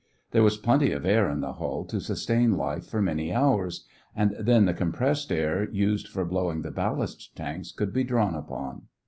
There was plenty of air in the hull to sustain life for many hours, and then the compressed air used for blowing the ballast tanks could be drawn upon.